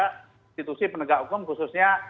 institusi penegak hukum khususnya